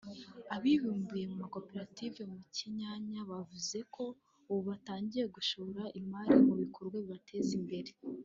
Abibumbiye mu makoperative muri Kinyinya bavuze ko ubu batangiye gushora imari mu bikorwa bibateza imbere